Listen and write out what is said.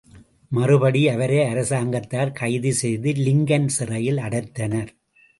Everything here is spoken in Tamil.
மறுபடி அவரை அரசாங்கத்தார் கைது செய்து லிங்கன் சிறையில் அடைத்தனர்.